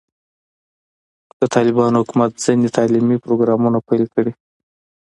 د طالبانو حکومت ځینې تعلیمي پروګرامونه پیل کړي.